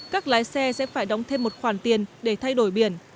các lái xe sẽ phải đóng thêm một khoản tiền để thay đổi biển